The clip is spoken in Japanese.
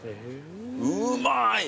うまい！